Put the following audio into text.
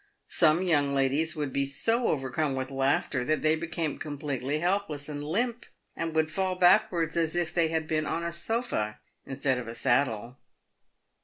Some young ladies would be so overcome with laughter that they be came completely helpless and limp, and would fall backwards as if they had been on a sofa instead of a saddle.